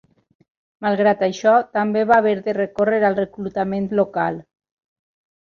Malgrat això, també va haver de recórrer al reclutament local.